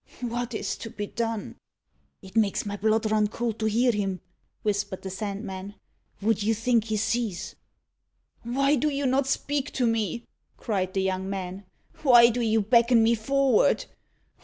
"What is to be done?" "It makes my blood run cold to hear him," whispered the Sandman. "Vot d'ye think he sees?" "Why do you not speak to me?" cried the young man "why do you beckon me forward?